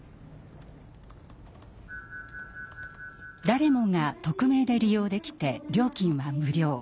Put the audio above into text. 誰もが匿名で利用できて料金は無料。